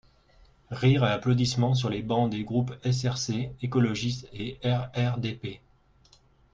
(Rires et applaudissements sur les bancs des groupes SRC, écologiste et RRDP.